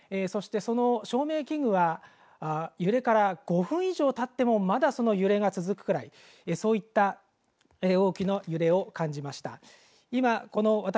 そしてその照明器具は揺れから５分以上たってもまだ、その揺れが続くくらいそういった大きな揺れを感じました。